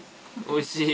おいしい。